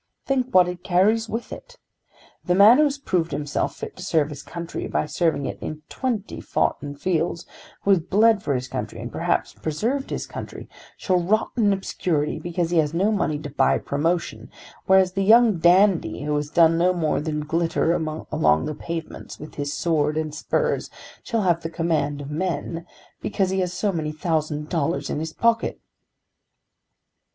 Think what it carries with it! The man who has proved himself fit to serve his country by serving it in twenty foughten fields, who has bled for his country and perhaps preserved his country, shall rot in obscurity because he has no money to buy promotion, whereas the young dandy who has done no more than glitter along the pavements with his sword and spurs shall have the command of men; because he has so many thousand dollars in his pocket."